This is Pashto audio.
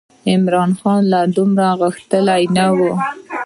عمرا خان لا دومره غښتلی نه و.